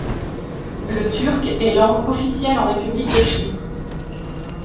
Le turc est langue officielle en République de Chypre.